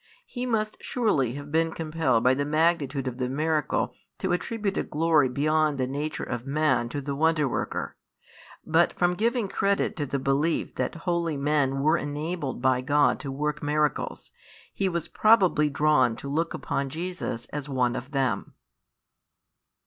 He must surely have been compelled by the magnitude of the miracle to attribute a glory beyond the nature of man to the Wonder worker, but from giving credit to the belief that holy men were enabled by |23 God to work miracles, he was probably drawn to look upon Jesus as one of them.